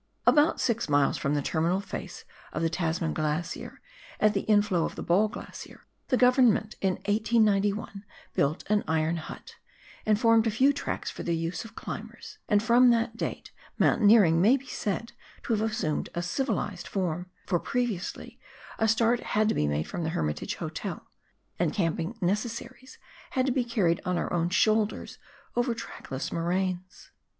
About six miles from the terminal face of the Tasman Glacier, at the inflow of the Ball Glacier, the Government in 1891 built an iron hut, and formed a few tracks for the use of climbers, and from that date mountaineering may be said to have assumed a civilised form, for previously a start had to be made from the Hermitage Hotel, and camping necessaries had to be carried on our own shoulders over trackless moraines.